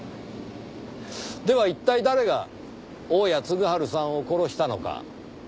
では一体誰が大屋嗣治さんを殺したのか？